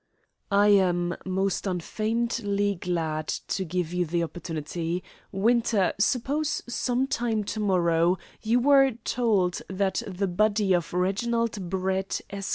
"I am most unfeignedly glad to give you the opportunity. Winter, suppose, some time to morrow, you were told that the body of Reginald Brett, Esq.